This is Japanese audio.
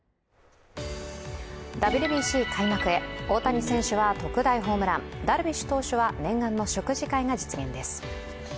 ＷＢＣ開幕へ、大谷選手は特大ホームラン、ダルビッシュ投手は念願の食事会が実現です。